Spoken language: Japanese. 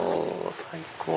最高！